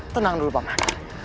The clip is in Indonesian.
tenang dulu paman